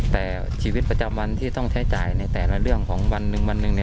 แต่ชีวิตประจำวันที่ต้องใช้จ่ายในแต่ละเรื่องของวันหนึ่งวันหนึ่ง